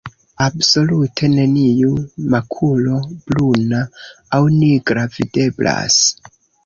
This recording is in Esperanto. Absolute neniu makulo bruna aŭ nigra videblas.